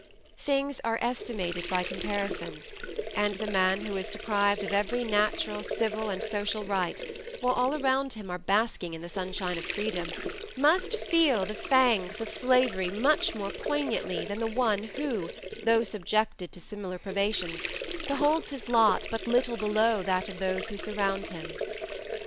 "Things are estimated by comparison; and the man who is deprived of every natural, civil, and social right, while all around him are basking in the sunshine of freedom, must feel the fangs of slavery much more poignantly than the one who, though subjected to similar privations, beholds his lot but little below that of those who surround him."